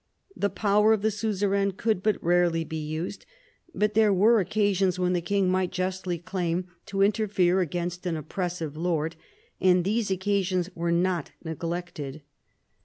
The power of the suzerain could but rarely be used, but there were occasions when the king might justly claim to interfere against an oppressive lord, and these occasions were not neglected.